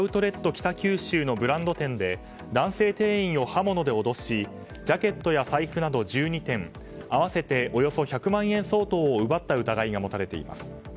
北九州のブランド店で男性店員を刃物で脅しジャケットや財布など１２点、合わせておよそ１００万円相当を奪った疑いが持たれています。